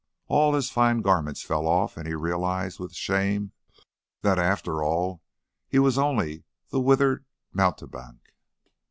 All his fine garments fell off and he realized with shame that, after all, he was only the withered mountebank.